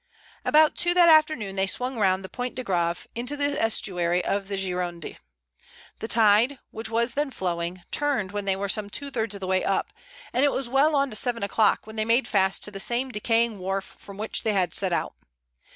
About two that afternoon they swung round the Pointe de Grave into the estuary of the Gironde. The tide, which was then flowing, turned when they were some two thirds of the way up, and it was well on to seven o'clock when they made fast to the same decaying wharf from which they had set out.